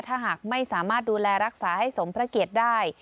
ถ้าหากไม่สามารถดูแลรักษาให้สมพระเกียรติได้